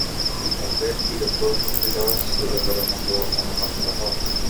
তাদের বীরত্ব ও শক্তি দ্বারা চিরতরের মতো অনুপ্রাণিত হও।